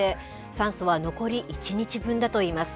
酸素は残り１日分だといいます。